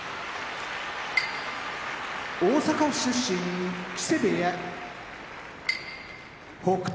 大阪府出身木瀬部屋北勝